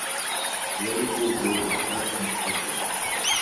Уэри гугъу уезгъэхьащ ныщхьэбэ.